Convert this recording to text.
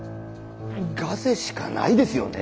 ガセしかないですよね。